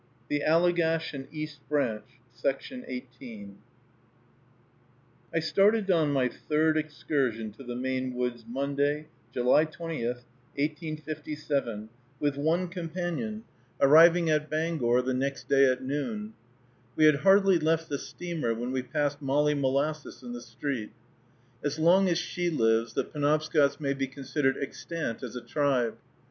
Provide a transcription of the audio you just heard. THE ALLEGASH AND EAST BRANCH I started on my third excursion to the Maine woods Monday, July 20, 1857, with one companion, arriving at Bangor the next day at noon. We had hardly left the steamer, when we passed Molly Molasses in the street. As long as she lives, the Penobscots may be considered extant as a tribe.